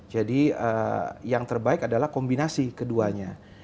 jadi yang terbaik adalah kombinasi keduanya